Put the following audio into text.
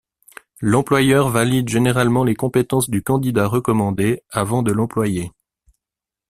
L'employeur valide généralement les compétences du candidat recommandé avant de l'employer.